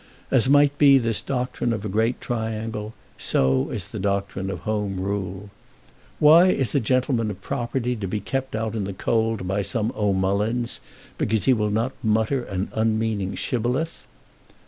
As might be this doctrine of a great triangle, so is the doctrine of Home Rule. Why is a gentleman of property to be kept out in the cold by some O'Mullins because he will not mutter an unmeaning shibboleth?